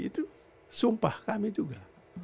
itu sumpah kami juga